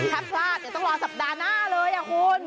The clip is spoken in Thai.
ถ้าพลาดเดี๋ยวต้องรอสัปดาห์หน้าเลยคุณ